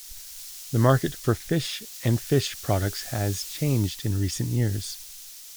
The market for fish and fish products has changed in recent years.